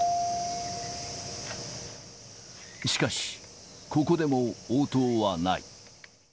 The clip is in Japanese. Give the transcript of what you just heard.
しかし、ここでも応答はない。